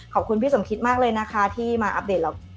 ขอบคุณพี่สมคิดมากเลยที่มาอัพเดทไว้